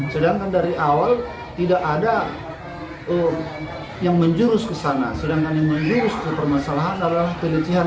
sedangkan dari awal tidak ada yang menjurus ke sana sedangkan yang menjurus ke permasalahan adalah pelecehan